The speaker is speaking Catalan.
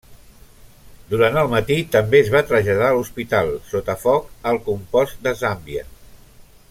Durant el matí també es va traslladar l'hospital, sota foc, al compost de Zàmbia.